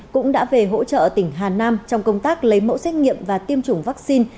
cũng đã về hỗ trợ tỉnh hà nam trong công tác lấy mẫu xét nghiệm và tiêm chủng vaccine